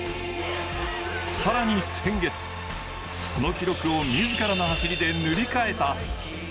更に先月、その記録を自らの走りで塗り替えた。